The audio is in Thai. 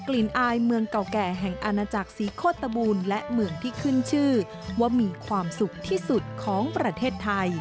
เรียบร้อยนะครับ